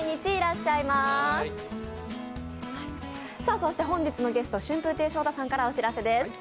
そして本日のゲスト春風亭昇太さんからお知らせです。